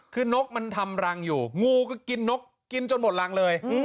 คือนกมันทำรังอยู่งูก็กินนกกินจนหมดรังเลย